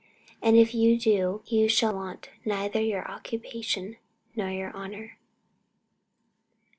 And, if you do, you shall want neither your occupation nor your honour.